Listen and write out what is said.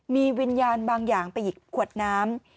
มีวิญญาณบางอย่างไปหยิบขวดน้ำ